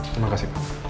terima kasih pak